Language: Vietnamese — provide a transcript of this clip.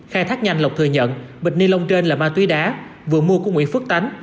khai thác nhanh lộc thừa nhận bịch ni lông trên là ma túy đá vừa mua của nguyễn phước tán